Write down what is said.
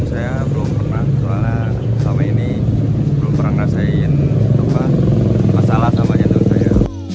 saya belum pernah soalnya selama ini belum pernah ngerasain masalah namanya menurut saya